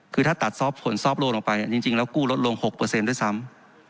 คือถ้าตัดผลซอฟโลนออกไปจริงแล้วกู้ลดลง๖ด้วยซ้ำ